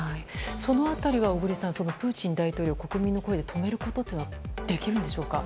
その辺りは、小栗さんプーチン大統領を国民の声で止めることはできるんでしょうか？